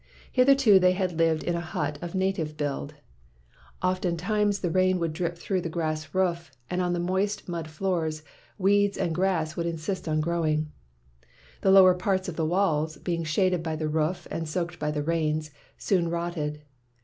Hitherto they had lived in a hut of native build. Oftentimes the rain would drip through the grass roof, and on the moist mud floors weeds and grass would insist on growing. The lower parts of the walls, being shaded by the roof and soaked by the rains, soon rotted.